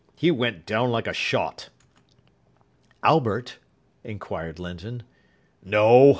He went down like a shot." "Albert?" inquired Linton. "No.